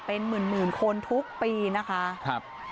เป็นหมื่นคนทุกปีนะคะ